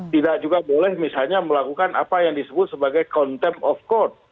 tidak juga boleh misalnya melakukan apa yang disebut sebagai contempt of court